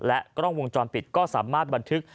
กล้องวงจรปิดก็สามารถบันทึก